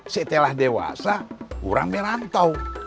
setelah dewasa uram merantau